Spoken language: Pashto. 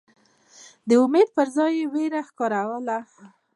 د امید پر ځای یې وېره ښکاروله.